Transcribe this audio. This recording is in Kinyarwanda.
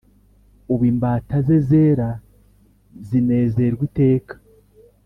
ub' imbata ze zera zinezerw' iteka.